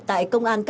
tại công an nhân dân